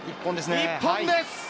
一本です。